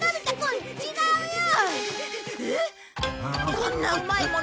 こんなうまいもの